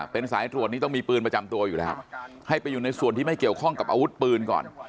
เป็นสายตรวจนี้ต้องมีปืนประจำตัวอยู่แล้วให้ไปอยู่ในส่วนที่ไม่เกี่ยวข้องกับอาวุธปืนก่อน